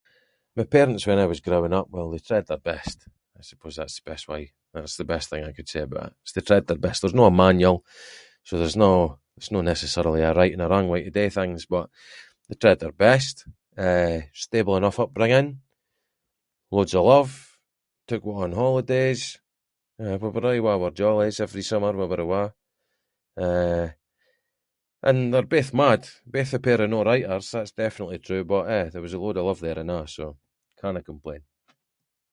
My parents when I was growing up, well they tried their best. I suppose that’s the best way- that’s the best thing I could say about it, is they tried their best. There’s no a manual, so there’s no- there’s no necessarily a right and a wrong way to do things, but they tried their best, eh, stable enough upbringing, loads of love, took long holidays, eh we were aie awa’ wir jollies, every summer, we were awa’, eh, and they’re both mad, both a pair of no-righters, that’s definitely true but eh, there was a load of love there and a’ so canna complain.